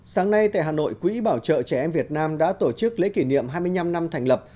sáng nay tại hà nội quỹ bảo trợ trẻ em việt nam đã tổ chức lễ kỷ niệm hai mươi năm năm thành lập